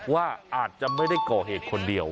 ว่าอาจจะไม่ได้ก่อเหตุคนเดียว